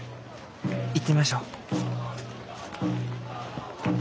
行ってみましょう。